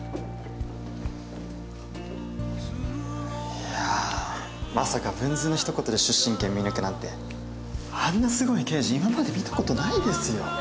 いやまさか「ぶんず」のひと言で出身県見抜くなんてあんなすごい刑事今まで見たことないですよ。